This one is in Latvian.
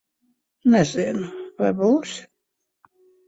Nezinu. Vai būs?